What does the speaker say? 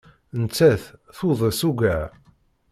Nettat tudes ugar.